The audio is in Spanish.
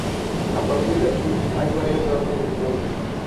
A partir de aquí hay varias ramas secundarias.